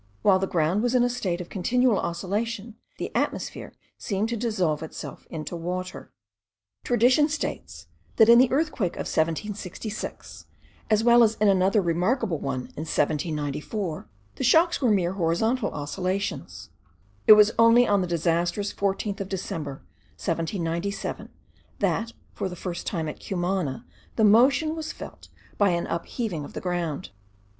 While the ground was in a state of continual oscillation, the atmosphere seemed to dissolve itself into water. Tradition states that in the earthquake of 1766, as well as in another remarkable one in 1794, the shocks were mere horizontal oscillations; it was only on the disastrous 14th of December, 1797, that for the first time at Cumana the motion was felt by an upheaving of the ground.